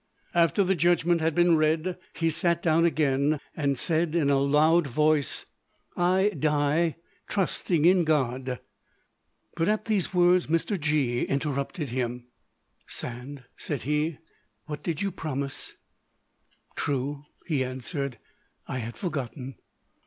After the judgment had been read, he sat down again and said in a laud voice, "I die trusting in God." But at these words Mr. G———interrupted him. "Sand," said he, "what did you promise?" "True," he answered; "I had forgotten."